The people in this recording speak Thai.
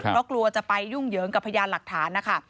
เพราะกลัวจะไปยุ่งเหยิงกับพยานหลักฐานนะคะ